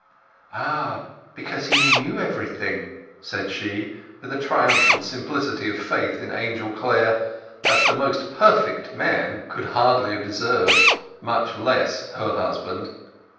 "Ah, because he knew everything!" said she, with a triumphant simplicity of faith in Angel Clare that the most perfect man could hardly have deserved, much less her husband.